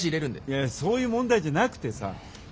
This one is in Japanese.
いやそういう問題じゃなくてさ。